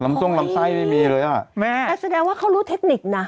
ลำตรงลำไส้ไม่มีเลยอ่ะแปลแสดงว่าเขารู้เทคนิคน่ะ